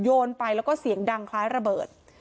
โยนไปแล้วก็เสียงดังคล้ายระเบิด